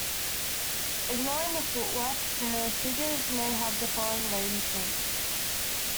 Ignoring the footwork, the figures may have the following arrangements.